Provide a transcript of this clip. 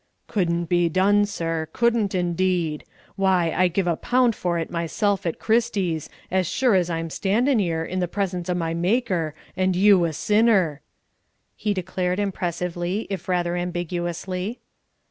"Couldn't be done, sir; couldn't indeed. Why, I give a pound for it myself at Christie's, as sure as I'm standin' 'ere in the presence o' my Maker, and you a sinner!" he declared impressively, if rather ambiguously.